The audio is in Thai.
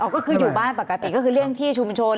ก็คืออยู่บ้านปกติก็คือเลี่ยงที่ชุมชน